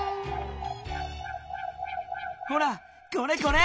ほらこれこれ。